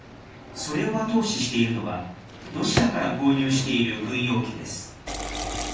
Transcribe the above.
それを後押ししているのは、ロシアから購入している軍用機です。